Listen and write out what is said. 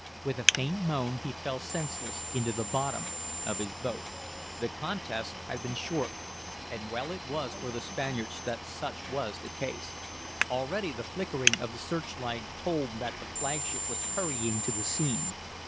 With a faint moan he fell senseless into the bottom of his boat. The contest had been short, and well it was for the Spaniards that such was the case. Already the flickering of the searchlight told that the flagship was hurrying to the scene.